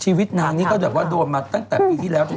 ชีวิตนางนี้ก็แบบว่าโดนมาตั้งแต่ปีที่แล้ว